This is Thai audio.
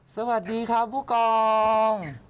สวัสดีครับผู้กอง